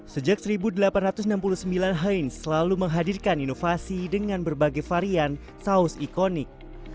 sejak seribu delapan ratus enam puluh sembilan heinz selalu menghadirkan inovasi dengan berbagai varian saus ikonik